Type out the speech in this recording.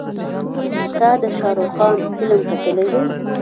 تا د شارخ خان فلم کتلی دی.